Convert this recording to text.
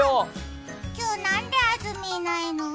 今日、なんで安住いないの？